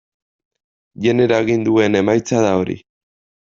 Genero aginduen emaitza da hori.